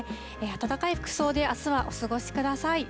温かい服装で、あすはお過ごしください。